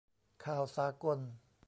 'ข่าวสากล'